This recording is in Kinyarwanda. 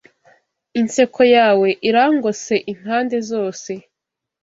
inseko yawe irangose impande zose